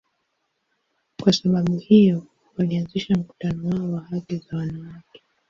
Kwa sababu hiyo, walianzisha mkutano wao wa haki za wanawake.